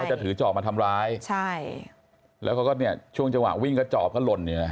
จะถือจอบมาทำร้ายใช่แล้วเขาก็เนี่ยช่วงจังหวะวิ่งก็จอบก็หล่นเนี่ยนะ